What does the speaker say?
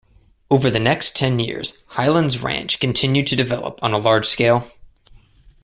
Over the next ten years, Highlands Ranch continued to develop on a large scale.